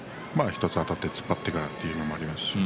あたって突っ張ってからというのもあります。